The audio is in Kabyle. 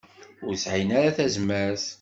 Ur sɛin ara tazmert.